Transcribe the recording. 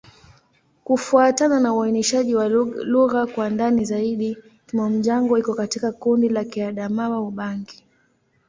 Kufuatana na uainishaji wa lugha kwa ndani zaidi, Kimom-Jango iko katika kundi la Kiadamawa-Ubangi.